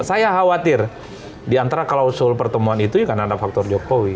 saya khawatir di antara klausul pertemuan itu karena ada faktor jokowi